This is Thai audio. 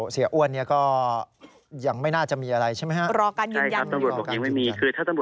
เสียอ้วนก็ไม่น่าจะมีอะไรใช่ไหมครับ